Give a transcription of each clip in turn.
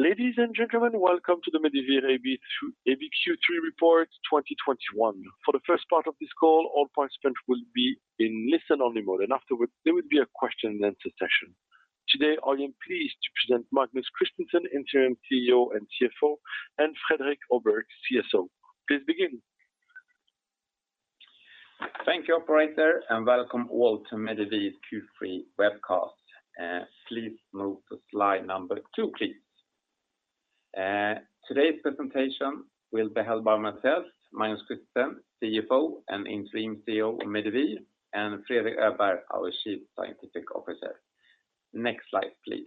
Ladies and gentlemen, welcome to the Medivir AB Q3 report 2021. For the first part of this call, all participants will be in listen only mode, and afterwards there will be a question and answer session. Today, I am pleased to present Magnus Christensen, Interim CEO and CFO, and Fredrik Öberg, CSO. Please begin. Thank you operator, and welcome all to Medivir Q3 webcast. Please move to slide two, please. Today's presentation will be held by myself, Magnus Christensen, CFO and Interim CEO of Medivir, and Fredrik Öberg, our Chief Scientific Officer. Next slide, please.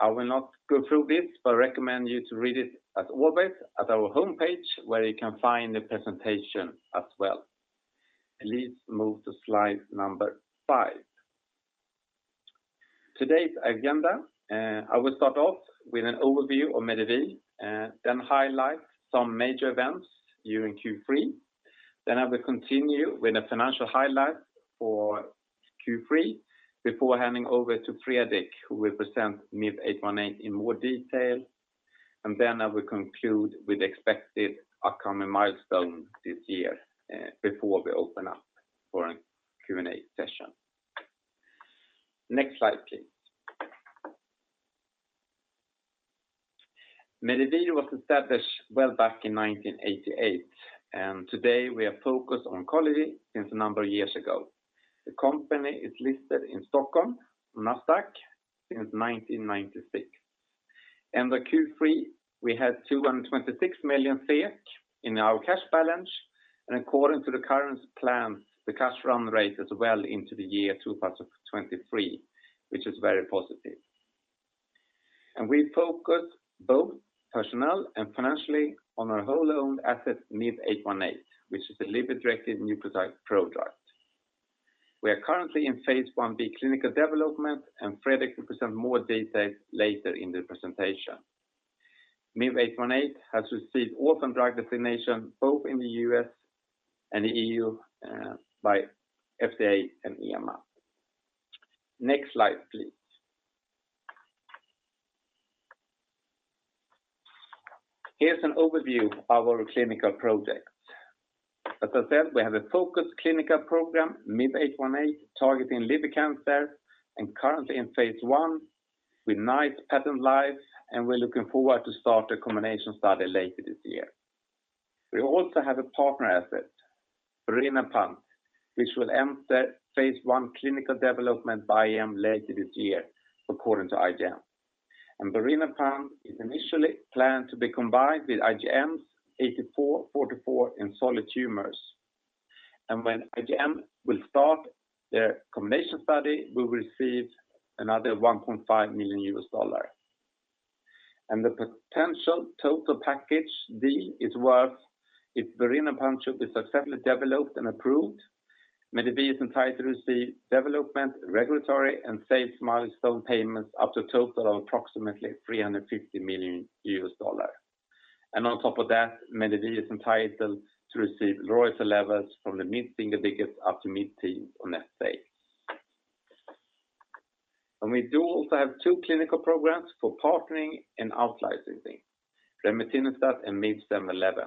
I will not go through this, but recommend you to read it or visit our homepage, where you can find the presentation as well. Please move to slide five. Today's agenda, I will start off with an overview of Medivir, then highlight some major events during Q3. Then I will continue with the financial highlights for Q3 before handing over to Fredrik, who will present MIV-818 in more detail. I will conclude with expected upcoming milestones this year, before we open up for a Q&A session. Next slide, please. Medivir was established well back in 1988, and today we are focused on oncology since a number of years ago. The company is listed in Stockholm, NASDAQ, since 1996. End of Q3, we had 226 million in our cash balance, and according to the current plan, the cash run rate is well into the year 2023, which is very positive. We focus both personnel and financially on our wholly owned asset MIV-818, which is a liver-directed nucleotide product. We are currently in phase Ib clinical development, and Fredrik will present more details later in the presentation. MIV-818 has received orphan drug designation both in the U.S. and the EU by FDA and EMA. Next slide, please. Here's an overview of our clinical projects. As I said, we have a focused clinical program, MIV-818, targeting liver cancer and currently in phase I with pembrolizumab, and we're looking forward to start a combination study later this year. We also have a partner asset, birinapant, which will enter phase I clinical development by IGM later this year, according to IGM. Birinapant is initially planned to be combined with IGM's IGM-8444 in solid tumors. When IGM will start their combination study, we will receive another $1.5 million. The potential total package deal is worth, if birinapant should be successfully developed and approved, Medivir is entitled to receive development, regulatory, and sales milestone payments up to a total of approximately $350 million. On top of that, Medivir is entitled to receive royalty levels from the mid-single digits up to mid-teen on net sales. We do also have two clinical programs for partnering and out-licensing, Remetinostat and MIV-711.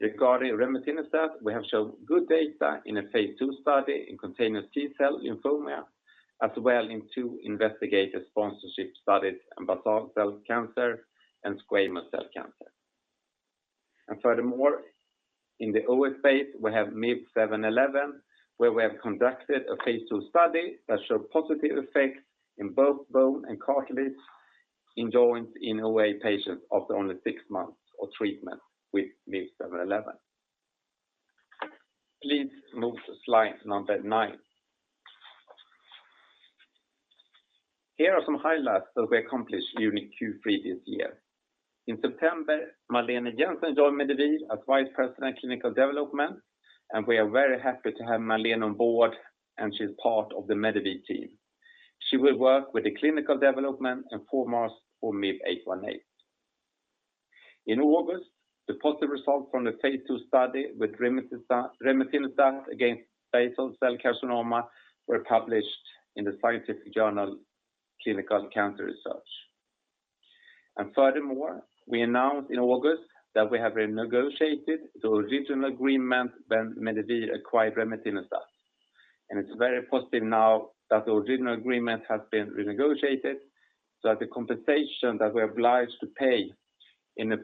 Regarding Remetinostat, we have shown good data in a phase II study in cutaneous T-cell lymphoma, as well as in two investigator sponsorship studies in basal cell cancer and squamous cell cancer. Furthermore, in the OA phase, we have MIV-711, where we have conducted a phase II study that showed positive effects in both bone and cartilage in joints in OA patients after only six months of treatment with MIV-711. Please move to slide number nine. Here are some highlights that we accomplished during Q3 this year. In September, Malene Jensen joined Medivir as Vice President of Clinical Development, and we are very happy to have Malene on board, and she's part of the Medivir team. She will work with the clinical development and for MIV-818. In August, the positive results from the phase II study with Remetinostat against basal cell carcinoma were published in the scientific journal Clinical Cancer Research. Furthermore, we announced in August that we have renegotiated the original agreement when Medivir acquired Remetinostat. It's very positive now that the original agreement has been renegotiated so that the compensation that we are obliged to pay in a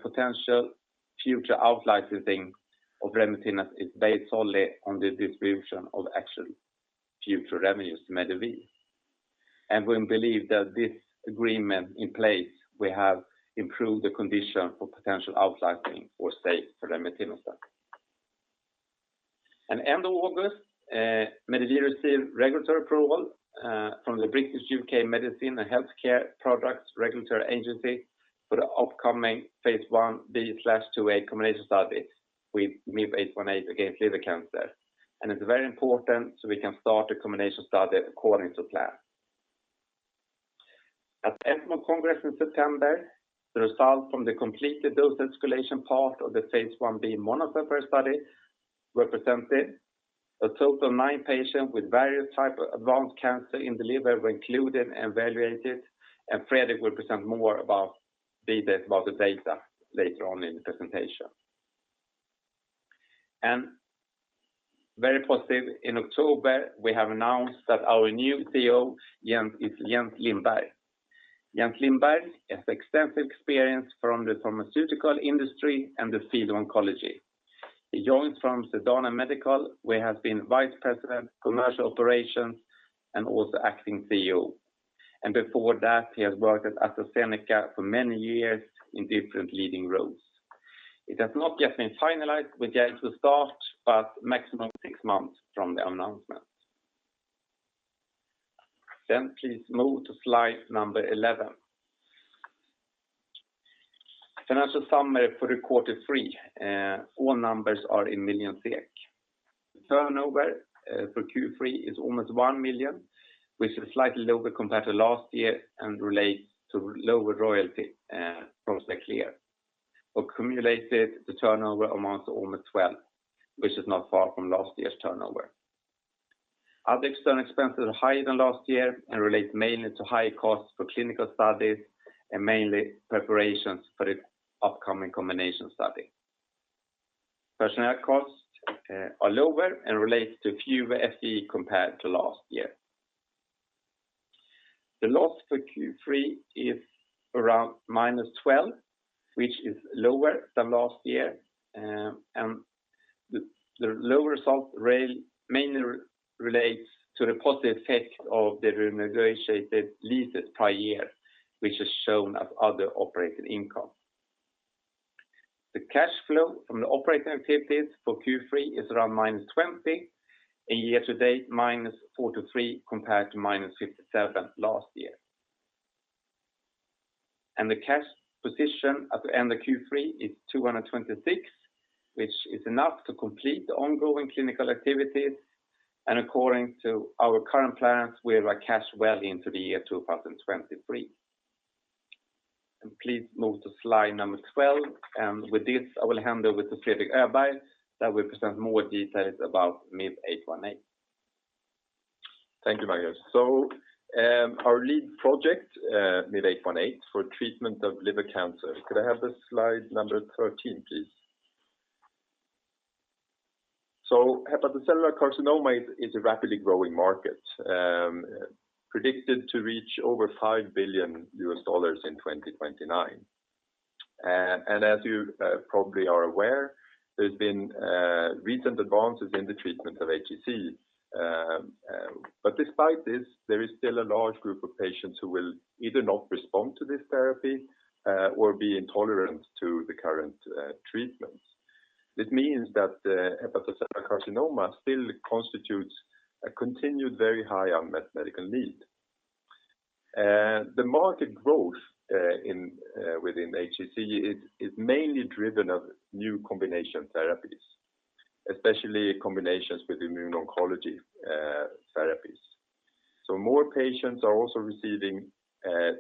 potential future out-licensing of Remetinostat is based solely on the distribution of actual future revenues to Medivir. We believe that this agreement in place will help improve the condition for potential out-licensing or sale for Remetinostat. At end of August, Medivir received regulatory approval from the Medicines and Healthcare products Regulatory Agency for the upcoming phase Ib/IIa combination study with MIV-818 against liver cancer. It's very important so we can start the combination study according to plan. At ESMO Congress in September, the result from the completed dose escalation part of the phase Ib monotherapy study were presented. A total of nine patients with various types of advanced cancer in the liver were included and evaluated, and Fredrik will present more details about the data later on in the presentation. Very positive, in October, we have announced that our new CEO, Jens Lindberg. Jens Lindberg has extensive experience from the pharmaceutical industry and the field of oncology. He joins from Sedana Medical, where he has been vice president, commercial operations, and also acting CEO. Before that, he has worked at AstraZeneca for many years in different leading roles. It has not yet been finalized when Jens will start, but maximum 6 months from the announcement. Please move to slide 11. Financial summary for quarter three. All numbers are in million SEK. The turnover for Q3 is almost 1 million, which is slightly lower compared to last year and relates to lower royalty from Xerclear. Cumulated, the turnover amounts to almost 12, which is not far from last year's turnover. Other external expenses are higher than last year and relate mainly to high costs for clinical studies and mainly preparations for the upcoming combination study. Personnel costs are lower and relates to fewer FTE compared to last year. The loss for Q3 is around -12, which is lower than last year. The lower result mainly relates to the positive effect of the renegotiated leases per year, which is shown as other operating income. The cash flow from the operating activities for Q3 is around -20 and year to date, -43 compared to -57 last year. The cash position at the end of Q3 is 226, which is enough to complete the ongoing clinical activities. According to our current plans, we have our cash well into the year 2023. Please move to slide number 12. With this, I will hand over to Fredrik Öberg that will present more details about MIV-818. Thank you, Magnus. Our lead project MIV-818 for treatment of liver cancer. Could I have the slide number 13, please? Hepatocellular carcinoma is a rapidly growing market, predicted to reach over $5 billion in 2029. As you probably are aware, there's been recent advances in the treatment of HCC. Despite this, there is still a large group of patients who will either not respond to this therapy or be intolerant to the current treatments. This means that the hepatocellular carcinoma still constitutes a continued very high unmet medical need. The market growth within HCC is mainly driven by new combination therapies, especially combinations with immuno-oncology therapies. More patients are also receiving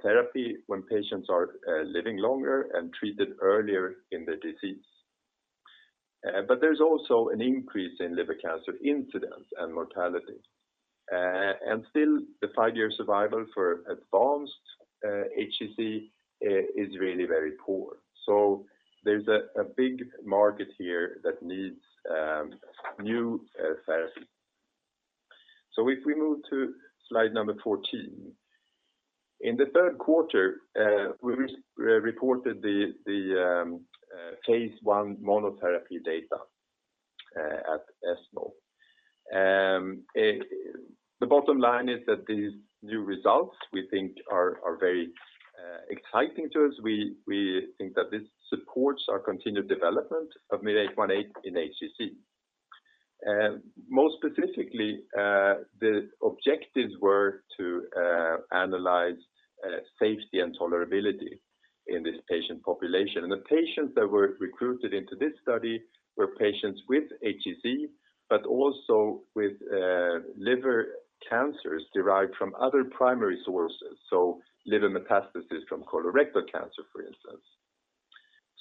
therapy when patients are living longer and treated earlier in the disease. There's also an increase in liver cancer incidence and mortality. Still, the five-year survival for advanced HCC is really very poor. There's a big market here that needs new therapy. If we move to slide number 14. In the third quarter, we reported the phase I monotherapy data at ESMO. The bottom line is that these new results we think are very exciting to us. We think that this supports our continued development of MIV-818 in HCC. Most specifically, the objectives were to analyze safety and tolerability in this patient population. The patients that were recruited into this study were patients with HCC, but also with liver cancers derived from other primary sources, so liver metastasis from colorectal cancer, for instance.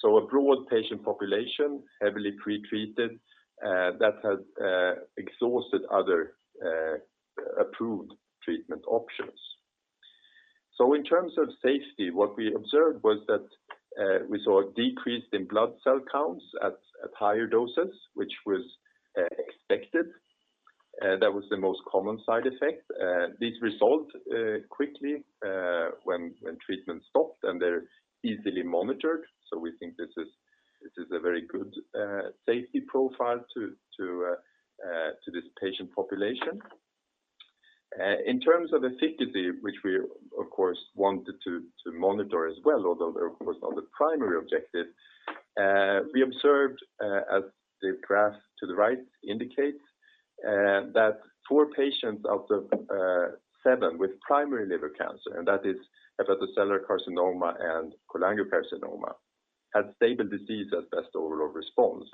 A broad patient population, heavily pretreated, that had exhausted other approved treatment options. In terms of safety, what we observed was that we saw a decrease in blood cell counts at higher doses, which was expected. That was the most common side effect. These resolved quickly when treatment stopped, and they're easily monitored. We think this is a very good safety profile to this patient population. In terms of efficacy, which we of course wanted to monitor as well, although they're of course not the primary objective, we observed as the graph to the right indicates that four patients out of seven with primary liver cancer, and that is hepatocellular carcinoma and cholangiocarcinoma, had stable disease as best overall response.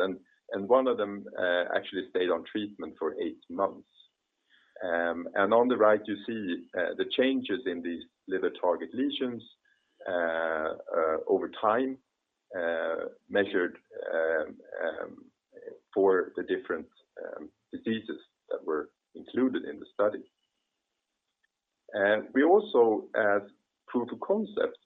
One of them actually stayed on treatment for eight months. On the right, you see the changes in these liver target lesions over time, measured for the different diseases that were included in the study. We also as proof of concept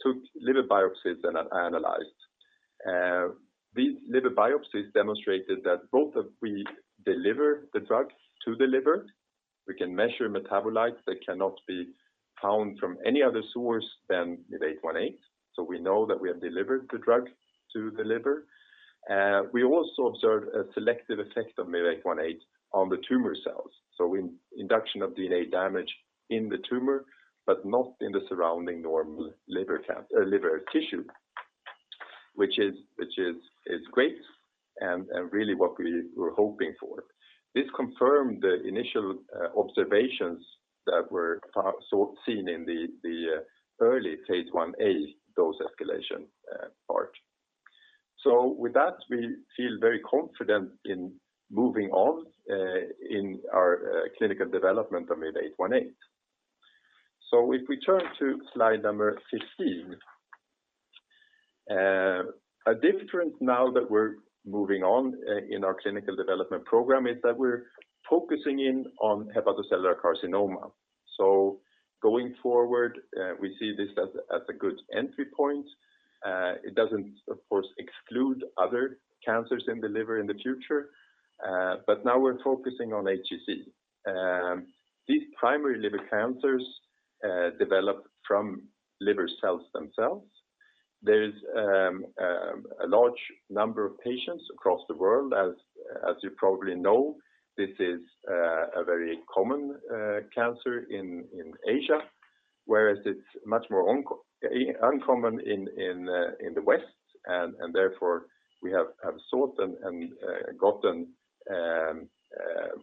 took liver biopsies and analyzed. These liver biopsies demonstrated that both that we deliver the drug to the liver, we can measure metabolites that cannot be found from any other source than MIV-818, so we know that we have delivered the drug to the liver. We also observed a selective effect of MIV-818 on the tumor cells, so in induction of DNA damage in the tumor but not in the surrounding normal liver tissue, which is great and really what we were hoping for. This confirmed the initial observations that were found as seen in the early phase I A dose escalation part. With that, we feel very confident in moving on in our clinical development of MIV-818. If we turn to slide number 15. A difference now that we're moving on in our clinical development program is that we're focusing in on hepatocellular carcinoma. Going forward, we see this as a good entry point. It doesn't of course exclude other cancers in the liver in the future, but now we're focusing on HCC. These primary liver cancers develop from liver cells themselves. There is a large number of patients across the world as you probably know, this is a very common cancer in Asia, whereas it's much more uncommon in the West and therefore we have sought and gotten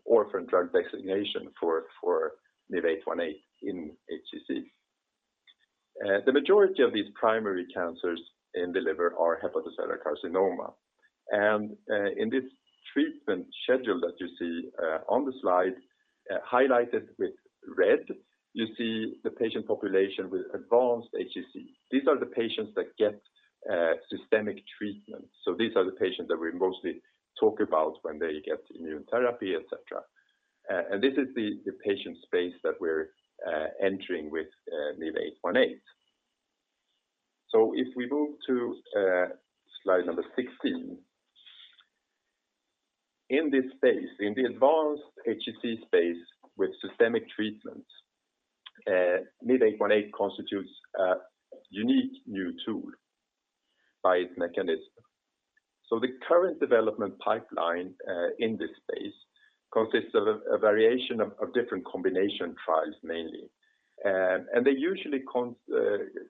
orphan drug designation for MIV-818 in HCC. The majority of these primary cancers in the liver are hepatocellular carcinoma. In this treatment schedule that you see on the slide highlighted with red, you see the patient population with advanced HCC. These are the patients that get systemic treatment, so these are the patients that we mostly talk about when they get immunotherapy, et cetera. This is the patient space that we're entering with MIV-818. If we move to slide number 16. In this space, in the advanced HCC space with systemic treatment, MIV-818 constitutes a unique new tool by its mechanism. The current development pipeline in this space consists of a variation of different combination trials mainly. They usually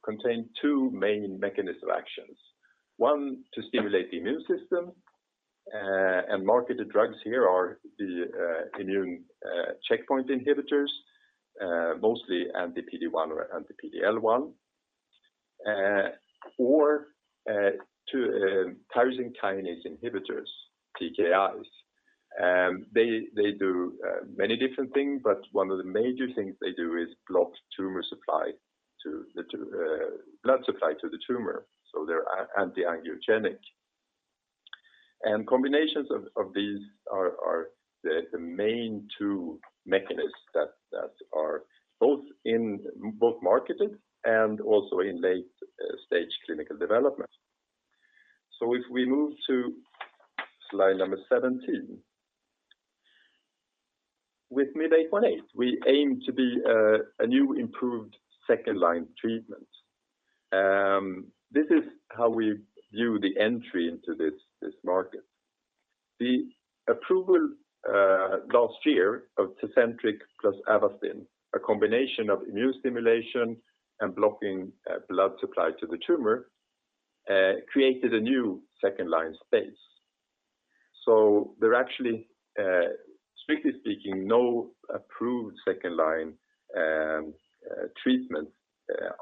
contain two main mechanism actions. One to stimulate the immune system, and marketed drugs here are the immune checkpoint inhibitors, mostly anti-PD-1 or anti-PD-L1. Two tyrosine kinase inhibitors, TKIs. They do many different things, but one of the major things they do is block blood supply to the tumor, so they're anti-angiogenic. Combinations of these are the main two mechanisms that are both marketed and also in late stage clinical development. If we move to slide number 17. With MIV-818, we aim to be a new improved second-line treatment. This is how we view the entry into this market. The approval last year of Tecentriq plus Avastin, a combination of immune stimulation and blocking blood supply to the tumor, created a new second-line space. There are actually, strictly speaking, no approved second-line treatment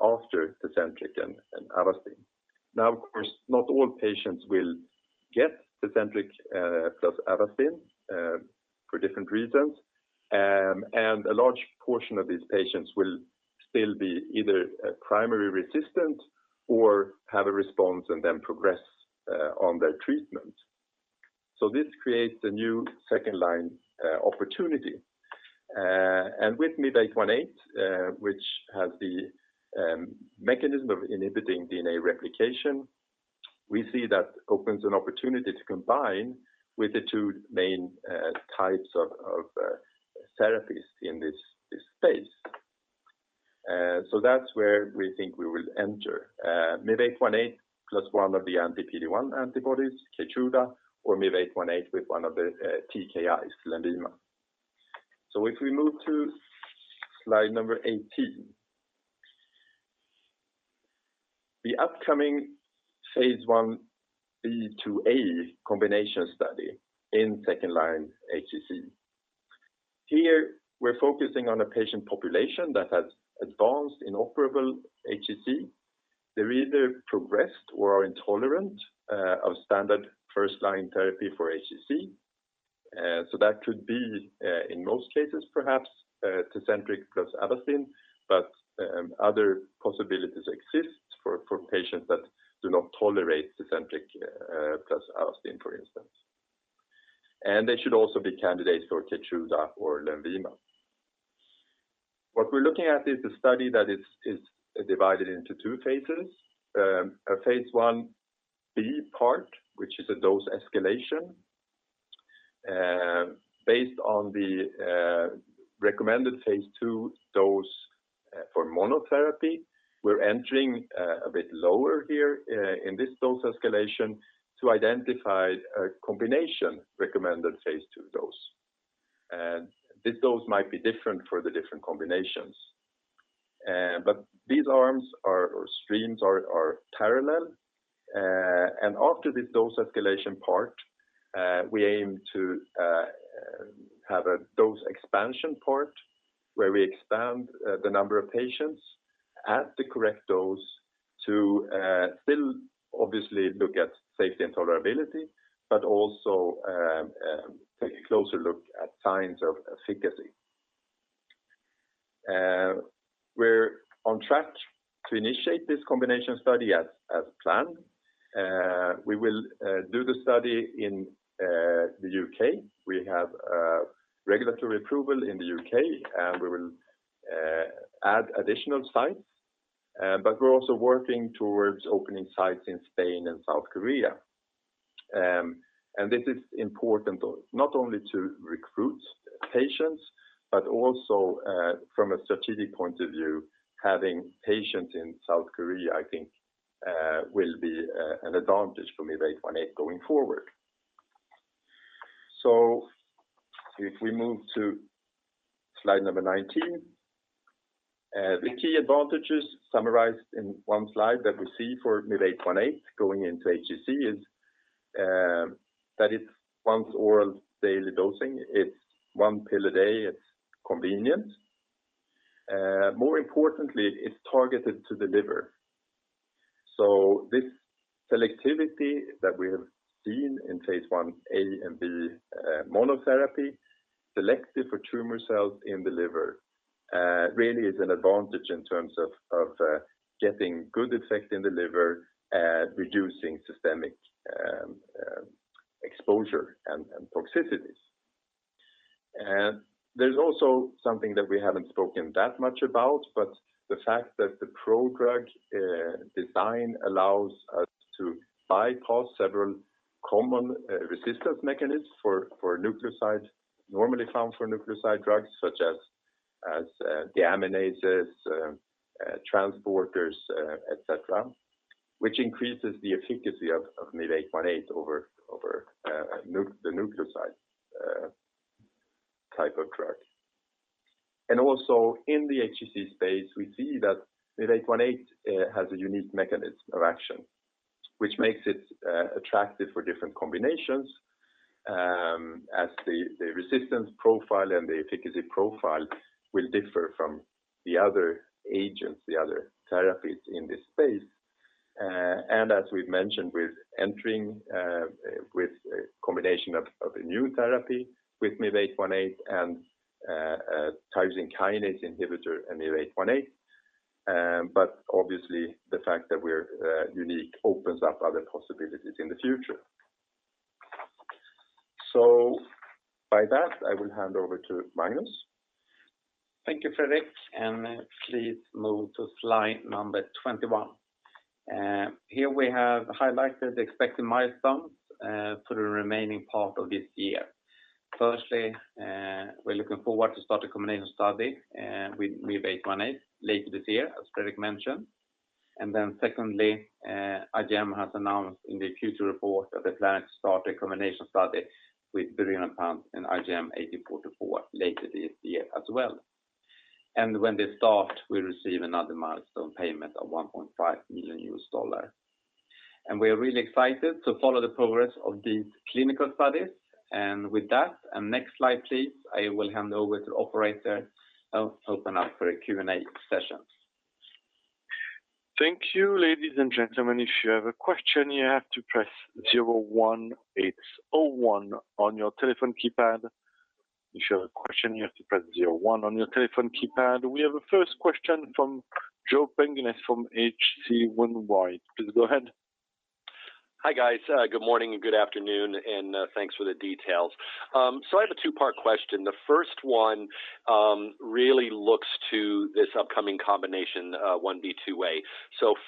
after Tecentriq and Avastin. Now, of course, not all patients will get Tecentriq plus Avastin for different reasons. A large portion of these patients will still be either primary resistant or have a response and then progress on their treatment. This creates a new second-line opportunity. With MIV-818, which has the mechanism of inhibiting DNA replication, we see that opens an opportunity to combine with the two main types of therapies in this space. That's where we think we will enter. MIV-818 plus one of the anti-PD-1 antibodies, Keytruda, or MIV-818 with one of the TKIs, Lenvima. If we move to slide number 18. The upcoming phase I B/A combination study in second-line HCC. Here, we're focusing on a patient population that has advanced inoperable HCC. They're either progressed or are intolerant of standard first-line therapy for HCC. That could be, in most cases perhaps, Tecentriq plus Avastin, but other possibilities exist for patients that do not tolerate Tecentriq plus Avastin, for instance. They should also be candidates for Keytruda or Lenvima. What we're looking at is a study that is divided into two phases. A phase I-B part, which is a dose escalation, based on the recommended phase II dose for monotherapy. We're entering a bit lower here in this dose escalation to identify a combination recommended phase II dose. This dose might be different for the different combinations. These arms or streams are parallel. After this dose escalation part, we aim to have a dose expansion part where we expand the number of patients at the correct dose to still obviously look at safety and tolerability, but also take a closer look at signs of efficacy. We're on track to initiate this combination study as planned. We will do the study in the U.K. We have regulatory approval in the U.K., and we will add additional sites. We're also working towards opening sites in Spain and South Korea. This is important, not only to recruit patients but also from a strategic point of view, having patients in South Korea, I think, will be an advantage for MIV-818 going forward. If we move to slide number 19. The key advantages summarized in one slide that we see for MIV-818 going into HCC is that it's once-daily oral dosing. It's one pill a day, it's convenient. More importantly, it's targeted to the liver. This selectivity that we have seen in phase I-A and I-B monotherapy, selective for tumor cells in the liver, really is an advantage in terms of getting good effect in the liver, reducing systemic exposure and toxicities. There's also something that we haven't spoken that much about, but the fact that the pro-drug design allows us to bypass several common resistance mechanisms for nucleoside, normally found for nucleoside drugs, such as deaminases, transporters, etc., which increases the efficacy of MIV-818 over the nucleoside type of drug. Also, in the HCC space, we see that MIV-818 has a unique mechanism of action, which makes it attractive for different combinations, as the resistance profile and the efficacy profile will differ from the other agents, the other therapies in this space. As we've mentioned, we're entering with a combination of a new therapy with MIV-818 and a tyrosine kinase inhibitor and MIV-818. Obviously the fact that we're unique opens up other possibilities in the future. By that, I will hand over to Magnus. Thank you, Fredrik, and please move to slide 21. Here we have highlighted the expected milestones for the remaining part of this year. Firstly, we're looking forward to start a combination study with MIV-818 later this year, as Fredrik mentioned. Then secondly, IGM has announced in the future report that they plan to start a combination study with birinapant and IGM-8444 later this year as well. When they start, we receive another milestone payment of $1.5 million. We are really excited to follow the progress of these clinical studies. With that, next slide, please, I will hand over to operator and open up for a Q&A session. Thank you. Ladies and gentlemen, if you have a question, you have to press 01801 on your telephone keypad. We have a first question from Joe Pantginis from H.C. Wainwright. Please go ahead. Hi, guys. Good morning and good afternoon, and thanks for the details. I have a two-part question. The first one really looks to this upcoming combination, 1B, 2A.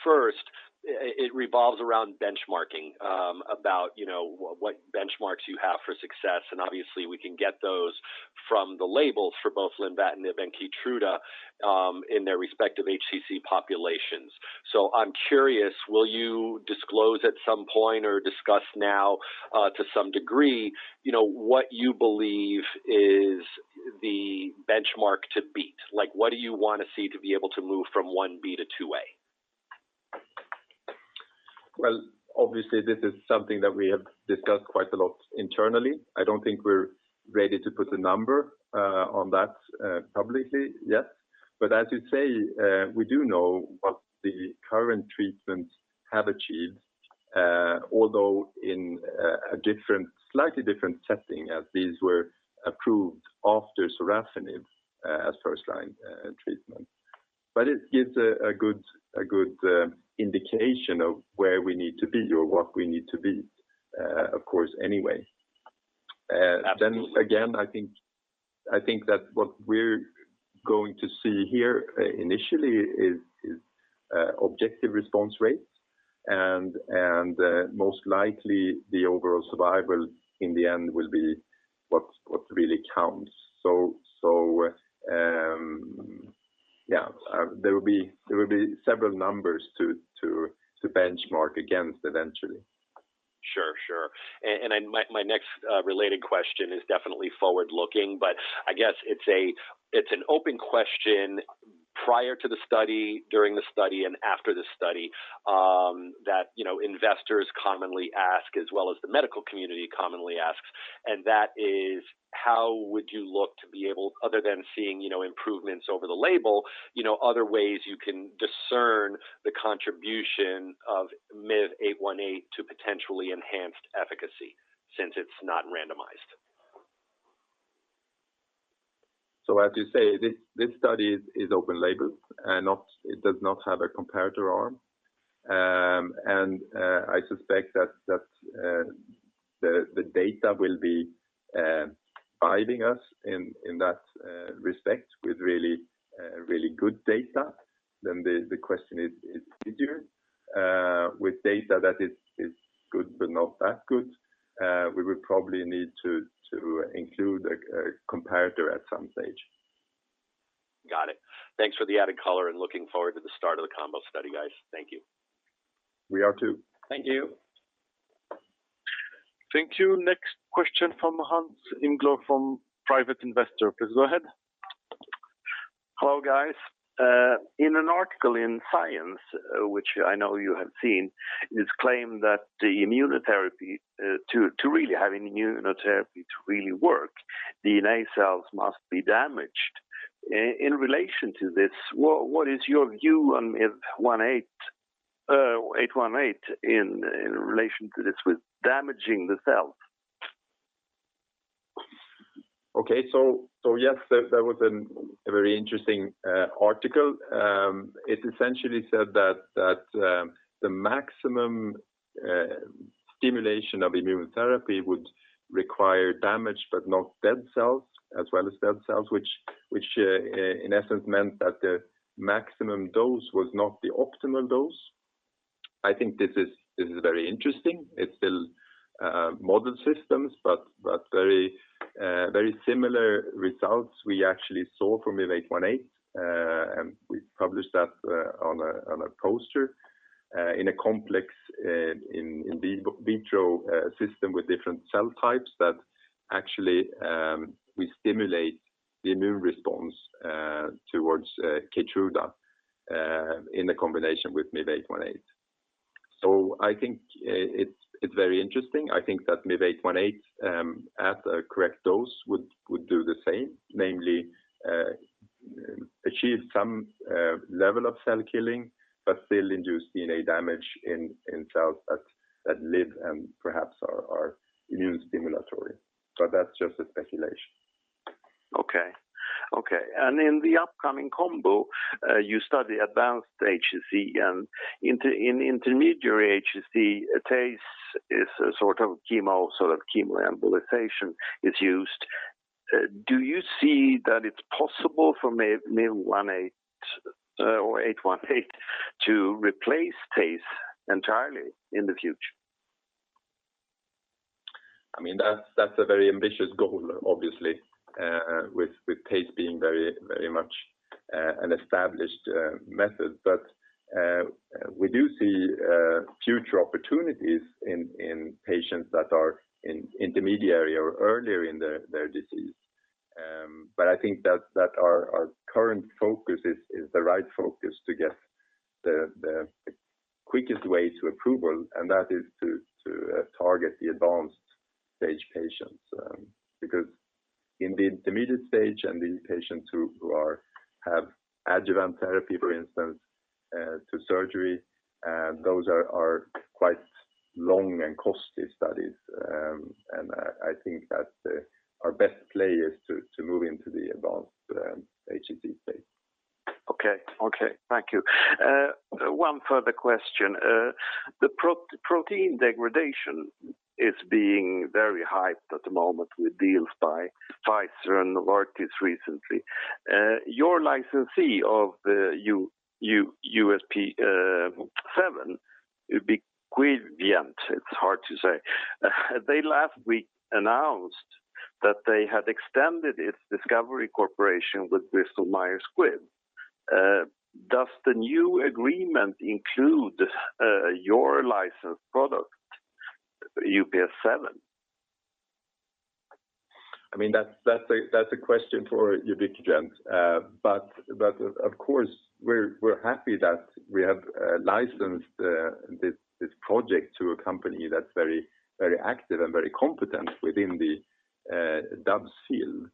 First, it revolves around benchmarking about, you know, what benchmarks you have for success. Obviously, we can get those from the labels for both lenvatinib and Keytruda in their respective HCC populations. I'm curious, will you disclose at some point or discuss now, to some degree, you know, what you believe is the benchmark to beat? Like, what do you wanna see to be able to move from 1B to 2A? Well, obviously this is something that we have discussed quite a lot internally. I don't think we're ready to put a number on that publicly yet. As you say, we do know what the current treatments have achieved, although in a slightly different setting as these were approved after sorafenib, as first line treatment. It gives a good indication of where we need to be or what we need to be, of course, anyway. Absolutely. I think that what we're going to see here initially is objective response rates and most likely the overall survival in the end will be what really counts. There will be several numbers to benchmark against eventually. Sure, sure. My next related question is definitely forward-looking, but I guess it's an open question prior to the study, during the study, and after the study, that you know, investors commonly ask, as well as the medical community commonly asks, and that is: How would you look to be able, other than seeing you know, improvements over the label, you know, other ways you can discern the contribution of MIV-818 to potentially enhanced efficacy since it's not randomized? As you say, this study is open label and it does not have a comparator arm. I suspect that the data will be guiding us in that respect with really good data. The question is easier with data that is good, but not that good, we would probably need to include a comparator at some stage. Got it. Thanks for the added color, and looking forward to the start of the combo study, guys. Thank you. We are too. Thank you. Thank you. Next question from Hans Ingló from Private Investor. Please go ahead. Hello, guys. In an article in Science, which I know you have seen, it is claimed that the immunotherapy to really work, DNA cells must be damaged. In relation to this, what is your view on MIV-818 in relation to this with damaging the cells? Yes, that was a very interesting article. It essentially said that the maximum stimulation of immunotherapy would require damaged but not dead cells as well as dead cells, which in essence meant that the maximum dose was not the optimal dose. I think this is very interesting. It's still model systems, but very similar results we actually saw from MIV-818. We published that on a poster in a complex in vitro system with different cell types that actually we stimulate the immune response towards Keytruda in the combination with MIV-818. I think it's very interesting. I think that MIV-818 at a correct dose would do the same, namely, achieve some level of cell killing but still induce DNA damage in cells that live and perhaps are immune stimulatory. That's just a speculation. In the upcoming combo, you study advanced HCC, in intermediary HCC TACE is a sort of chemo embolization is used. Do you see that it's possible for MIV-818 to replace TACE entirely in the future? I mean, that's a very ambitious goal obviously, with TACE being very much an established method. We do see future opportunities in patients that are in intermediate or earlier in their disease. I think that our current focus is the right focus to get the quickest way to approval, and that is to target the advanced stage patients. Because in the intermediate stage and the patients who have adjuvant therapy, for instance, to surgery, those are quite long and costly studies. I think that our best play is to move into the advanced HCC space. Okay. Thank you. One further question. The protein degradation is being very hyped at the moment with deals by Pfizer and Novartis recently. Your licensee of USP7, Ubiquigent, it's hard to say. They last week announced that they had extended its discovery cooperation with Bristol Myers Squibb. Does the new agreement include your licensed product, USP7? I mean, that's a question for Ubiquigent. But of course, we're happy that we have licensed this project to a company that's very active and very competent within the DUB field.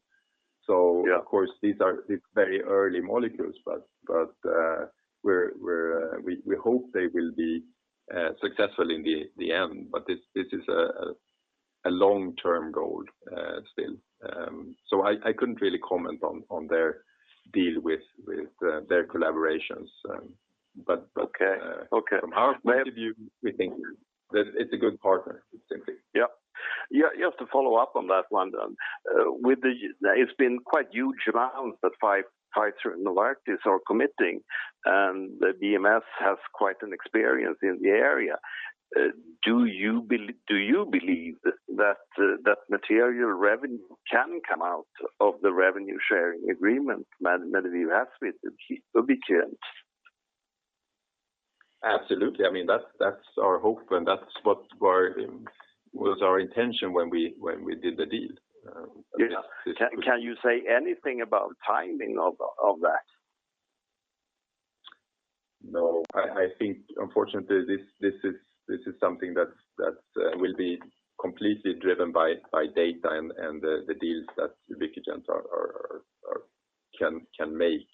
Yeah. Of course, these are very early molecules, but we hope they will be successful in the end. This is a long-term goal still. I couldn't really comment on their deal with their collaborations. Okay. Okay. From our point of view, we think that it's a good partner. It's simply. Yeah. Yeah. You have to follow up on that one then. It's been quite huge amounts that Pfizer and Novartis are committing, and the BMS has quite an experience in the area. Do you believe that material revenue can come out of the revenue sharing agreement Medivir has with Ubiquigent? Absolutely. I mean, that's our hope, and that's what was our intention when we did the deal. Yeah. Yes. Can you say anything about timing of that? No. I think unfortunately, this is something that will be completely driven by data and the deals that Ubiquigent can make.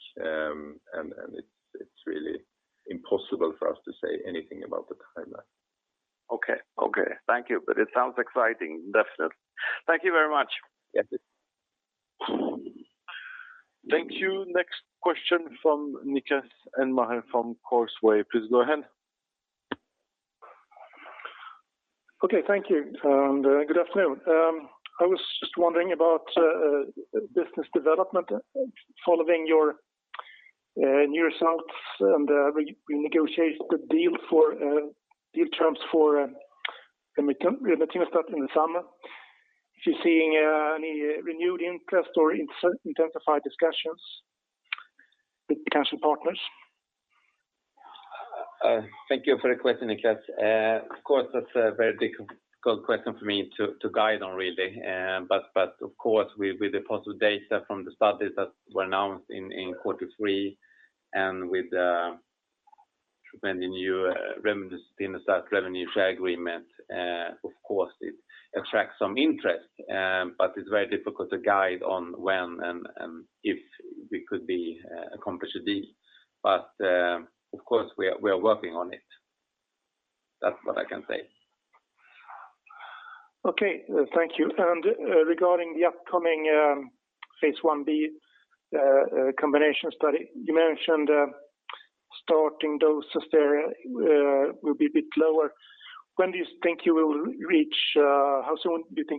It's really impossible for us to say anything about the timeline. Okay. Thank you. It sounds exciting, definitely. Thank you very much. Yes. Thank you. Next question from Niklas Elmå from Redeye. Please go ahead. Okay. Thank you, and good afternoon. I was just wondering about business development following your new results and renegotiate the deal for deal terms for Remetinostat in the summer. If you're seeing any renewed interest or intensified discussions with potential partners. Thank you for your question, Niklas Elmå. Of course, that's a very difficult question for me to guide on really. Of course, with the positive data from the studies that were announced in quarter three and with the new Remetinostat revenue share agreement, of course it attracts some interest. It's very difficult to guide on when and if we could accomplish a deal. Of course, we are working on it. That's what I can say. Okay. Thank you. Regarding the upcoming phase I-B combination study. You mentioned starting doses there will be a bit lower. How soon do you think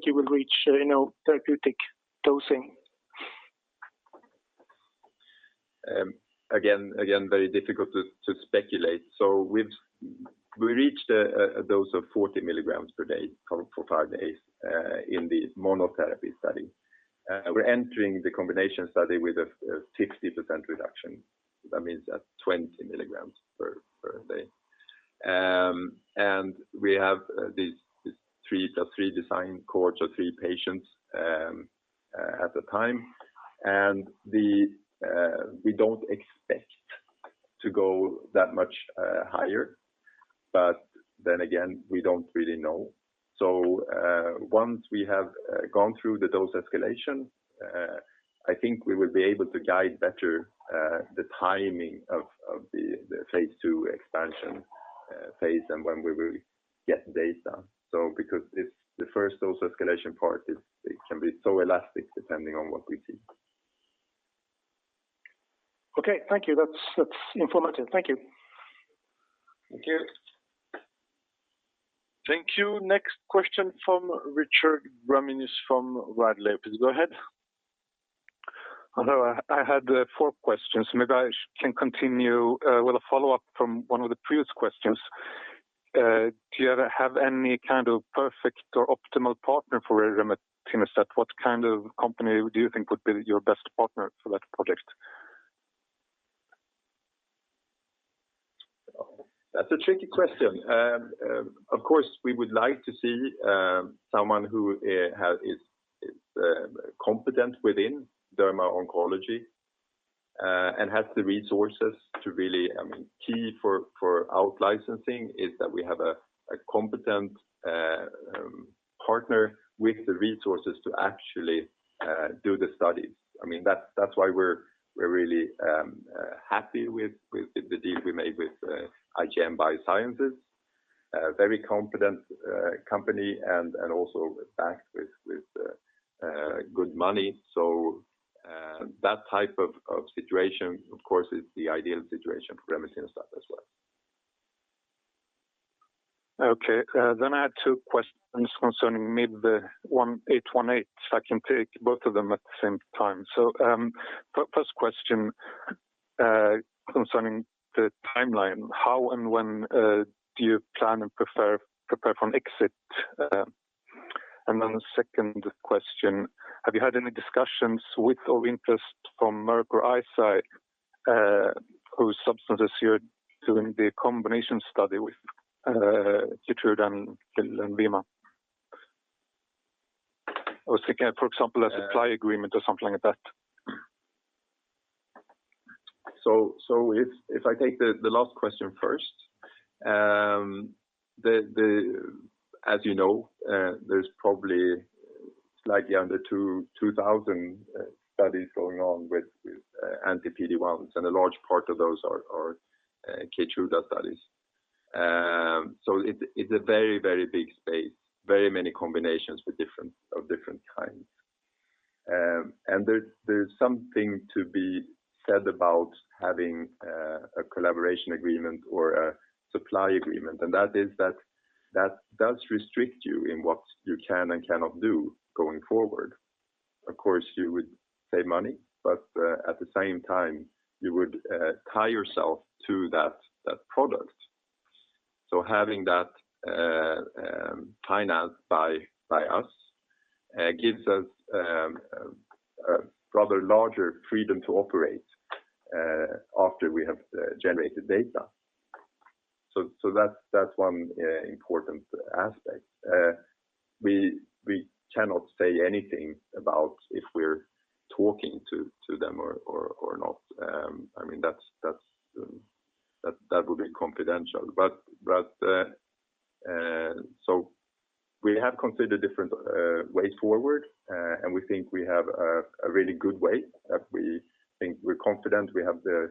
you will reach, you know, therapeutic dosing? Again, very difficult to speculate. We've reached a dose of 40 milligrams per day for five days in the monotherapy study. We're entering the combination study with a 60% reduction. That means at 20 milligrams per day. We have these 3+3 design cohorts of three patients at a time. We don't expect to go that much higher. Again, we don't really know. Once we have gone through the dose escalation, I think we will be able to guide better the timing of the phase II expansion phase and when we will get data. Because if the first dose escalation part is so elastic depending on what we see. Okay. Thank you. That's informative. Thank you. Thank you. Thank you. Next question from Richard Ramanius from Redeye. Please go ahead. Hello. I had four questions. Maybe I can continue with a follow-up from one of the previous questions. Yeah. Do you ever have any kind of perfect or optimal partner for Remetinostat? What kind of company do you think would be your best partner for that project? That's a tricky question. Of course, we would like to see someone who is competent within dermato-oncology and has the resources to really. I mean, key for out licensing is that we have a competent partner with the resources to actually do the studies. I mean, that's why we're really happy with the deal we made with IGM Biosciences. Very competent company and also backed with good money. That type of situation, of course, is the ideal situation for Remetinostat as well. Okay. I had two questions concerning maybe MIV-818, so I can take both of them at the same time. First question concerning the timeline. How and when do you plan and prepare for exit? Second question, have you had any discussions with or interest from Merck or Eisai? Whose substance is here doing the combination study with Keytruda and Lenvima. I was thinking, for example, a supply agreement or something like that. If I take the last question first, as you know, there's probably slightly under 2,000 studies going on with anti-PD-1s, and a large part of those are Keytruda studies. It's a very big space, very many combinations of different kinds. There's something to be said about having a collaboration agreement or a supply agreement, and that does restrict you in what you can and cannot do going forward. Of course, you would save money, but at the same time, you would tie yourself to that product. Having that financed by us gives us a rather larger freedom to operate after we have generated data. That's one important aspect. We cannot say anything about if we're talking to them or not. I mean, that's that would be confidential. We have considered different ways forward, and we think we have a really good way that we think we're confident we have the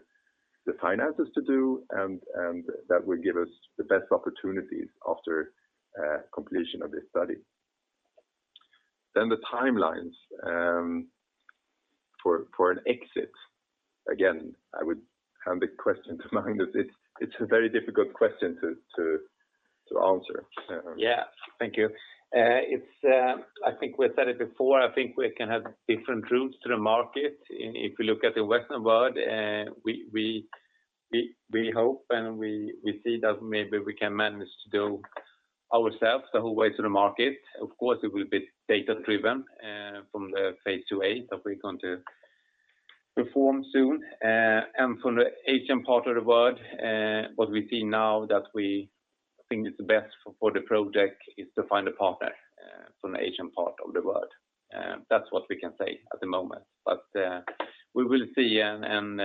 finances to do and that will give us the best opportunities after completion of this study. The timelines for an exit, again, I would hand the question to Magnus. It's a very difficult question to answer. Yeah. Thank you. I think we've said it before. I think we can have different routes to the market. If you look at the Western world, we hope and we see that maybe we can manage to do ourselves the whole way to the market. Of course, it will be data-driven from the phase II-A that we're going to perform soon. For the Asian part of the world, what we see now that we think is the best for the project is to find a partner from the Asian part of the world. That's what we can say at the moment. We will see and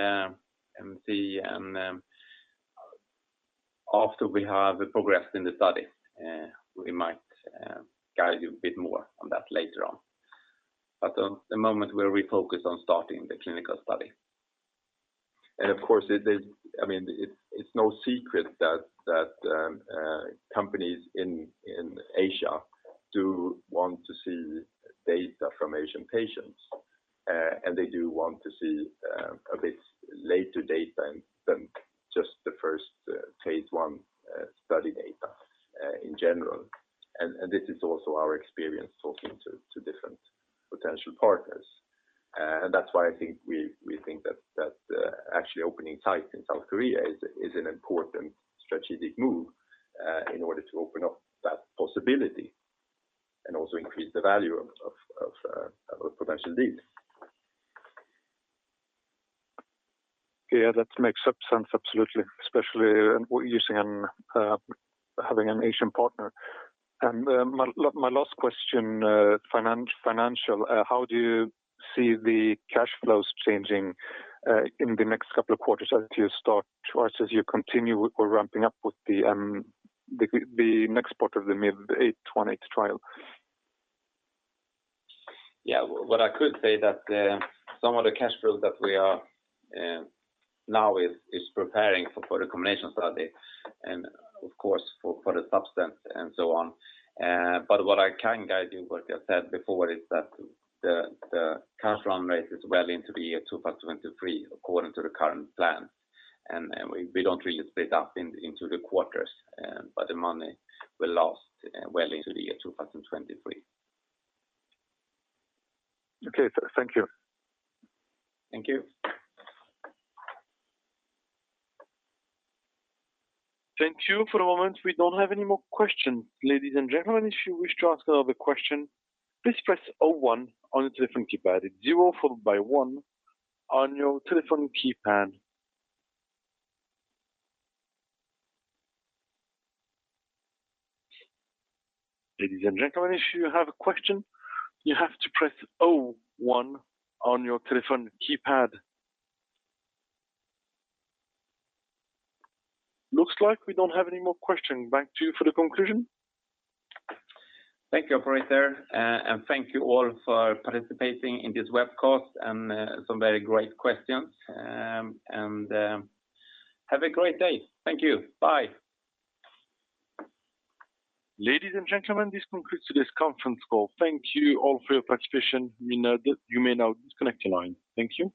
after we have progressed in the study, we might guide you a bit more on that later on. At the moment we're really focused on starting the clinical study. Of course, there's, I mean, it's no secret that companies in Asia do want to see data from Asian patients, and they do want to see a bit later data than just the first phase I study data, in general. This is also our experience talking to different potential partners. That's why I think we think that actually opening sites in South Korea is an important strategic move in order to open up that possibility and also increase the value of potential deals. Yeah, that makes sense. Absolutely. Especially having an Asian partner. My last question, financial. How do you see the cash flows changing in the next couple of quarters as you start or as you continue or ramping up with the next part of the MID-820 trial? What I could say that some of the cash flows that we are now preparing for the combination study and of course for the substance and so on. What I can guide you, what I said before is that the cash run rate is well into the year 2023 according to the current plan. We don't really split up into the quarters, but the money will last well into the year 2023. Okay. Thank you. Thank you. Thank you. For the moment, we don't have any more questions. Looks like we don't have any more questions. Back to you for the conclusion. Thank you, operator. Thank you all for participating in this webcast and some very great questions. Have a great day. Thank you. Bye. Ladies and gentlemen, this concludes today's conference call. Thank you all for your participation. You may now disconnect your line. Thank you.